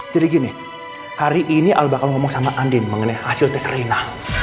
jadi gini hari ini al bakal ngomong sama andien mengenai hasil tes rina